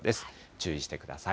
注意してください。